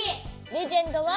レジェンドは？